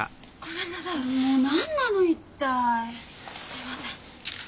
すいません。